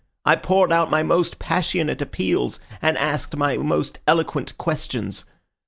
I poured out my most passionate appeals, and asked my most eloquent questions.